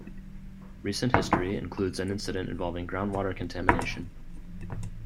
Recent history includes an incident involving groundwater contamination.